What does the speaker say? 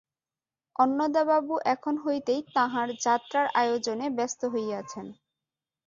অন্নদাবাবু এখন হইতেই তাঁহার যাত্রার আয়োজনে ব্যস্ত হইয়াছেন।